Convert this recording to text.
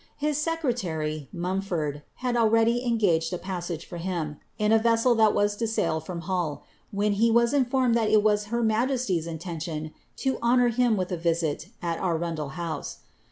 Ilia aecrctary, Mumford, had already engaged a passage for him. in a \eseel that wm lo sail from Hull, when he was iiifonned that it was her majesty'* in lentioii lo honour him wilh a viail at Arundel house.